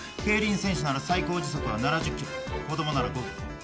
競輪選手なら最高時速は７０キロ子供なら５キロ。